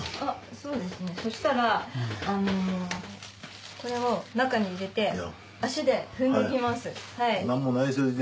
そうですねそしたらこれを中に入れて足で踏んでいきます。